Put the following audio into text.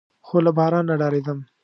خو له بارانه ډارېدم.